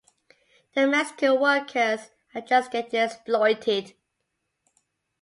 The Mexican workers are just getting exploited.